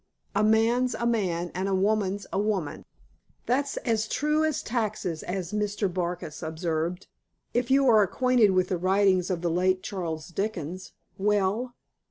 "A man's a man and a woman's a woman." "That's as true as taxes, as Mr. Barkis observed, if you are acquainted with the writings of the late Charles Dickens. Well?"